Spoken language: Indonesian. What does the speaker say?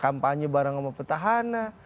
kampanye barang sama petahana